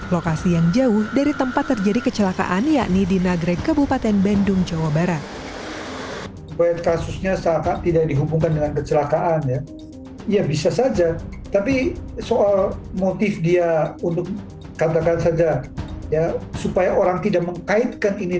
lokasi yang jauh dari tempat terjadi kecelakaan yakni di nagreg kebupaten bendung jawa barat